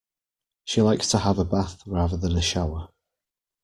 She likes to have a bath rather than a shower